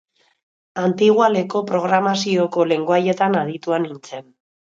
Antigoaleko programazioko lengoaietan aditua nintzen.